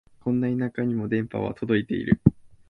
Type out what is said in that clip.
こんな田舎にも電波は届いてる